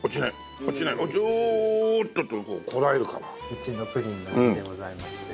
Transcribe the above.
うちのプリンだけでございまして。